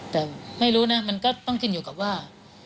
แต่ไม่รู้นะมันก็ต้องขึ้นอยู่กับว่า